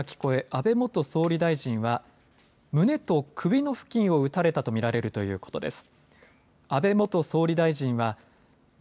安倍元総理大臣は胸と首の付近を撃たれたと見られるということです。